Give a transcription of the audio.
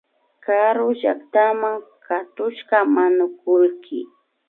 Karu llaktama katushka manukullki